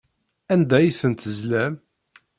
Anda ay ten-tezlam?